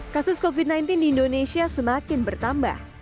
kasus covid sembilan belas di indonesia semakin bertambah